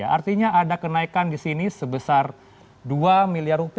artinya ada kenaikan di sini sebesar rp dua miliar